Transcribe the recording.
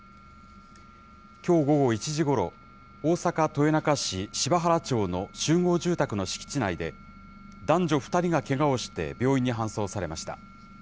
きょう午後１時ごろ、大阪・豊中市柴原町の集合住宅の敷地内で、男女２人がけがをして病院に搬送されました。